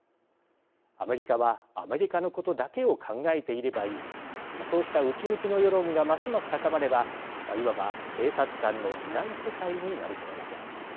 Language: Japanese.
アメリカはアメリカのことだけを考えていればいいそうした内向きの世論がますます高まればいわば警察官のいない世界になりかねません。